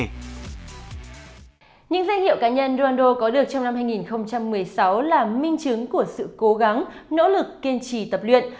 những danh hiệu cá nhân donald đồ có được trong năm hai nghìn một mươi sáu là minh chứng của sự cố gắng nỗ lực kiên trì tập luyện